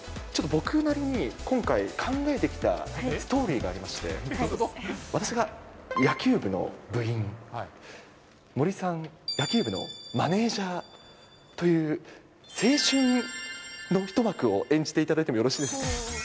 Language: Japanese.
ちょっと僕なりに今回、考えてきたストーリーがありまして、私が野球部の部員、森さん、野球部のマネージャーという、青春の一幕を演じていただいてもよろしいですか。